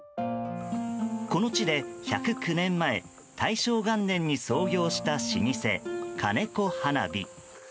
この地で１０９年前大正元年に創業した老舗金子花火。